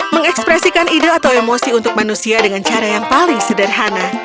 mengekspresikan ide atau emosi untuk manusia dengan cara yang paling sederhana